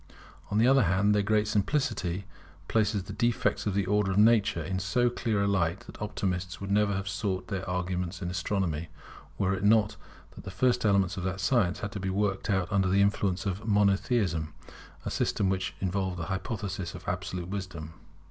On the other hand, their great simplicity places the defects of the Order of Nature in so clear a light, that optimists would never have sought their arguments in astronomy, were it not that the first elements of the science had to be worked out under the influence of Monotheism, a system which involved the hypothesis of absolute wisdom.